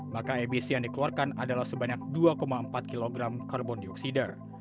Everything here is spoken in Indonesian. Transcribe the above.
maka emisi yang dikeluarkan adalah sebanyak dua empat kg karbon dioksida